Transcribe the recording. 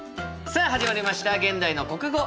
さあ始まりました「現代の国語」。